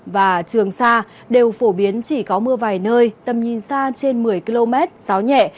và trường sa đều phổ biến chỉ có mưa vài nơi tầm nhìn xa trên một mươi km gió nhẹ